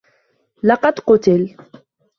لقد قُتل.